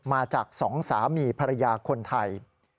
มาจาก๒สามีภรรยาคนไทย